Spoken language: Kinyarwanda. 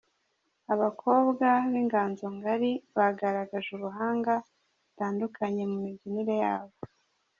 Abakobwa b’Inganzo Ngari bagaragaje ubuhanga butandukanye mu mibyinire yabo.